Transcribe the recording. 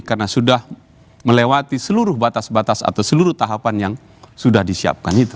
karena sudah melewati seluruh batas batas atau seluruh tahapan yang sudah disiapkan itu